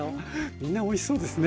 みんなおいしそうですね。